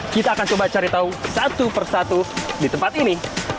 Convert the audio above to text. kita akan coba cari tahu satu persatu di tempat ini